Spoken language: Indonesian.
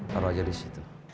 taruh aja disitu